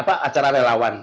apa acara relawan